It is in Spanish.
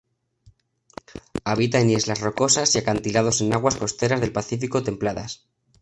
Habita en islas rocosas y acantilados en aguas costeras del Pacífico templadas.